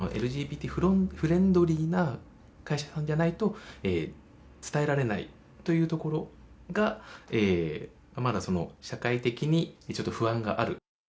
自分たちも活動するときにＬＧＢＴフレンドリーな会社さんじゃないと伝えられないというところ、まだ社会的にちょっと不安がある。